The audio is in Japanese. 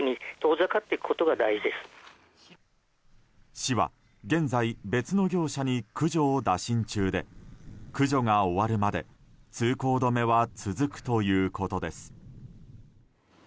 市は、現在別の業者に駆除を打診中で駆除が終わるまで通行止めは続くということです。